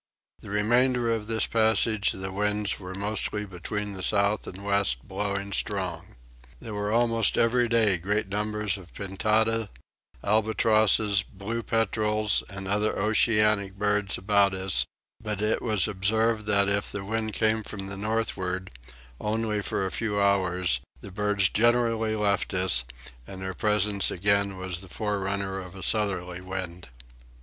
The remainder of this passage the winds were mostly between the south and west blowing strong. There were almost every day great numbers of pintada, albatrosses, blue petrels, and other oceanic birds about us; but it was observed that if the wind came from the northward, only for a few hours, the birds generally left us, and their presence again was the forerunner of a southerly wind.